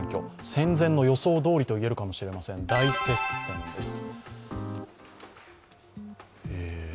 選前の予想どおりとも言えるかもしれません、大接戦です。